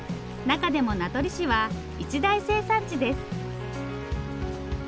中でも名取市は一大生産地です。